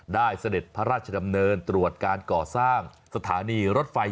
เสด็จพระราชดำเนินตรวจการก่อสร้างสถานีรถไฟ